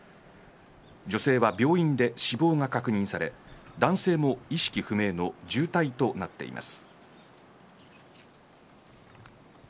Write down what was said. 女性は病院で死亡が確認され男性も意識不明の重体となっています。